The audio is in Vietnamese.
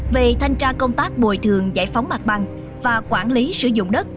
về thành trang công tác bồi thương giải phóng mặt bằng và quản lý sử dụng đất